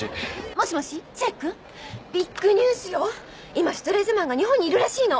今シュトレーゼマンが日本にいるらしいの！